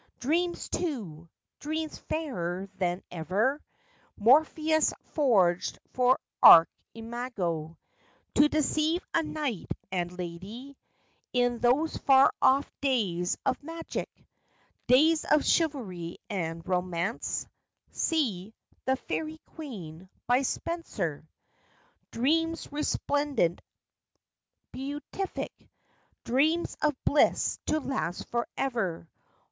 Dreams, too ! Dreams, fairer than ever Morpheus forged for Archimago, To deceive a knight and lady, In those far off days of magic; Days of chivalry and romance; (See " The Faerie Queen," by Spencer) ; Dreams resplendent! beatific! Dreams of bliss to last forever